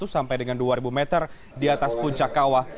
satu lima ratus sampai dengan dua meter di atas puncak kawah